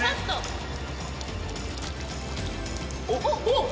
おっ！